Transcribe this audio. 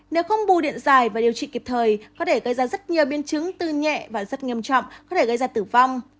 nếu không bù điện dài và điều trị kịp thời có thể gây ra rất nhiều biến chứng từ nhẹ và rất nghiêm trọng có thể gây ra tử vong